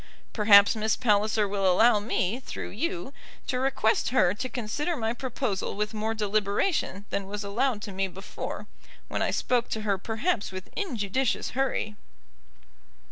Perhaps Miss Palliser will allow me, through you, to request her to consider my proposal with more deliberation than was allowed to me before, when I spoke to her perhaps with injudicious hurry.